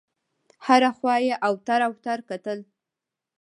هره خوا یې اوتر اوتر کتل.